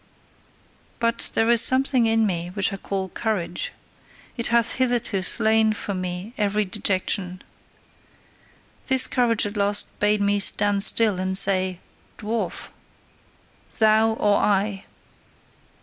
But there is something in me which I call courage: it hath hitherto slain for me every dejection. This courage at last bade me stand still and say: "Dwarf! Thou! Or I!"